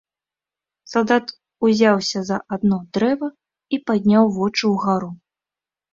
Салдат узяўся за адно дрэва і падняў вочы ўгару.